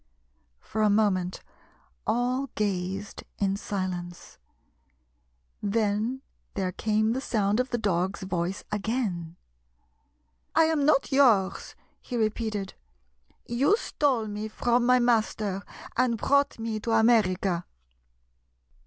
For a moment all gazed in silence. Then there came the sound of the dog's voice again. "I am not yours," he repeated. " You stole me from my master and brought me to America."